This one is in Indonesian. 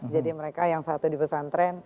jadi mereka yang satu di pesan